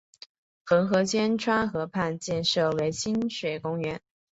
横十间川河畔建设为亲水公园。